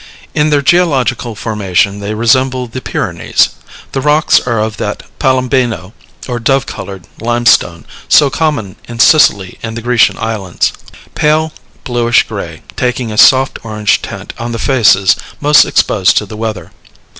In their geological formation they resemble the Pyrenees; the rocks are of that palombino, or dove colored limestone, so common in Sicily and the Grecian islands, pale bluish gray, taking a soft orange tint on the faces most exposed to the weather.